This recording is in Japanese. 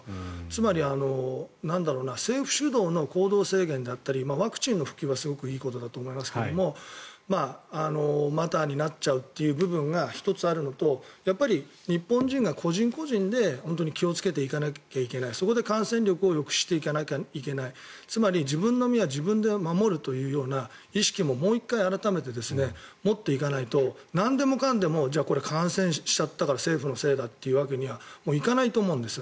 つまり政府主導の行動制限だったりワクチンの普及はすごくいいことだと思いますがマターになっちゃうという部分が１つあるのとやっぱり日本人が個人個人で気をつけていかなきゃいけないそこで感染力を抑止していかなきゃいけないつまり自分の身は自分で守るというような意識ももう１回改めて持っていかないとなんでもかんでも感染しちゃったから政府のせいだというわけにはいかないと思うんです。